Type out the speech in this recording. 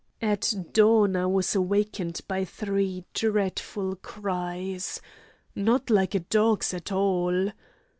At dawn I was awakened by three dreadful cries—not like a dog's at all.